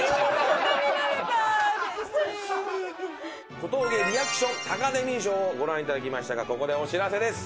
小峠リアクションタカデミー賞をご覧頂きましたがここでお知らせです。